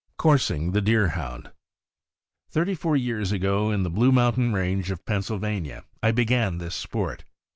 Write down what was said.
COURSING THE DEERHOUND. Thirty four years ago, in the Blue Mountain Range of Pennsylvania, I began this sport.